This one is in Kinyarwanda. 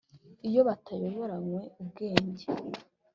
Iyo batayoboranywe ubwenge